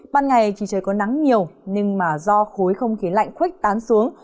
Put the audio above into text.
ban ngày thì trời có nắng nhiều nhưng do khối không khí lạnh khuếch tán xuống